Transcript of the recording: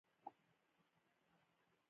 د غزل ادبي او احساساتي فلسفه